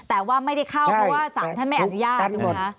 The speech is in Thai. แต่ว่าไม่ได้เข้าเพราะว่าสารท่านไม่อนุญาตถูกไหมคะ